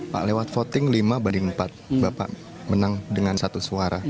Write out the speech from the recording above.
pak lewat voting lima banding empat bapak menang dengan satu suara